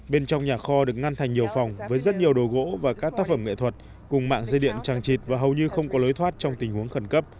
bên trong nhà kho được ngăn thành nhiều phòng với rất nhiều đồ gỗ và các tác phẩm nghệ thuật cùng mạng dây điện tràng trịt và hầu như không có lối thoát trong tình huống khẩn cấp